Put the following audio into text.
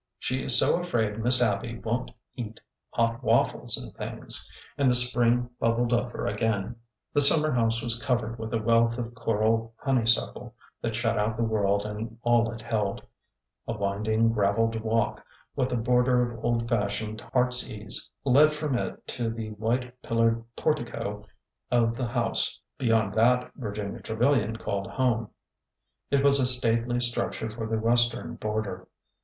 She is so afraid Miss Abby won't eat hot waffles and things." And the spring bub bled over again. THE SINGLE AIM 5 The summer house was covered with a wealth of coral honeysuckle that shut out the world and all it held. A winding graveled walk with a border of old fashioned heart^s ease led from it to the 'white pillared portico of the house beyond that Virginia Trevilian called home. It was a stately structure for the western border.